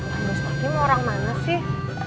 pak mustahim orang mana sih